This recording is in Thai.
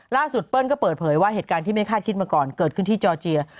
เปิ้ลก็เปิดเผยว่าเหตุการณ์ที่ไม่คาดคิดมาก่อนเกิดขึ้นที่จอร์เจีย